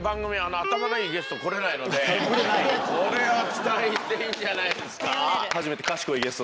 これは期待していいんじゃないですか？